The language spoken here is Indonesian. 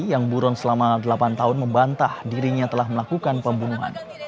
yang buron selama delapan tahun membantah dirinya telah melakukan pembunuhan